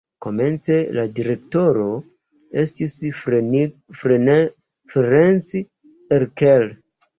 Komence la direktoro estis Ferenc Erkel.